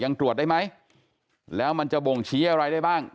ยังตรวจได้ไหมแล้วมันจะบ่งชี้อะไรได้บ้าง